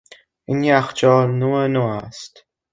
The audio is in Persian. این یخچال نو نو است.